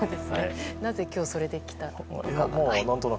なぜ今日それで来たんだろう。